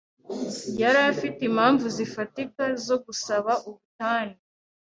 Yari afite impamvu zifatika zo gusaba ubutane.